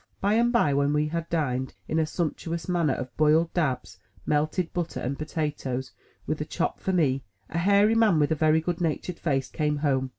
By and by, when we had dined in a sumptuous manner off boiled dabs, melted butter, and potatoes, with a chop for me, a hairy man with a very good natured face, came home.